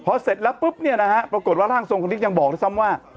พอเสร็จแล้วปุ๊บเนี่ยนะฮะปรากฏว่าร่างทรงคนนี้ยังบอกด้วยซ้ำว่า